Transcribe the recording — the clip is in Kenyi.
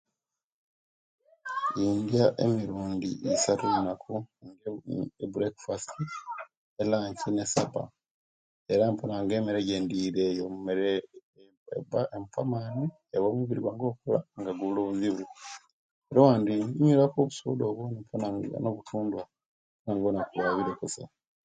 Emirundi isatu olunaku ebureki fasiti, elanci ne esapa; era mponanga emere ejendiire eyo, emere empa amani, eewa omubiri gwange okukula nga gubula obuzibu; era owandi inywiraku obusoda obwo ne obutudwa nga olunaku lwabire kusa,